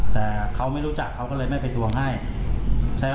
แต่เขาไม่รู้จักเขาก็เลยไม่ไปทวงให้ใช่ไหม